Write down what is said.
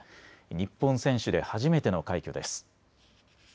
日本選手で初めての快挙です。